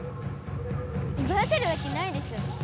うばわせるわけないでしょ！